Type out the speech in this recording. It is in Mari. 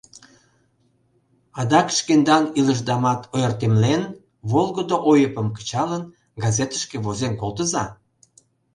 Адак, шкендан илышдамат ойыртемлен, волгыдо ойыпым кычалын, газетышке возен колтыза.